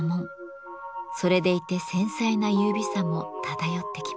それでいて繊細な優美さも漂ってきます。